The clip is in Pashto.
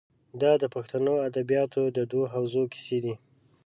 دا د پښتو ادبیاتو د دوو حوزو کیسې دي.